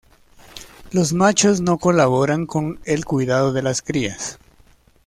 Los machos no colaboran con el cuidado de las crías.